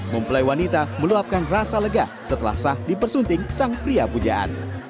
mempelai wanita meluapkan rasa lega setelah sah dipersunting sang pria pujaan